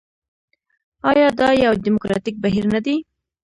آیا دا یو ډیموکراټیک بهیر نه دی؟